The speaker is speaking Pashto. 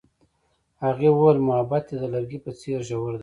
هغې وویل محبت یې د لرګی په څېر ژور دی.